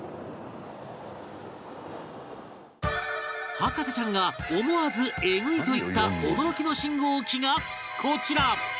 博士ちゃんが思わず「エグい」と言った驚きの信号機がこちら